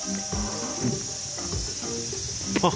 あっ。